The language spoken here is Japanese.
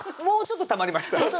もうちょっとたまりました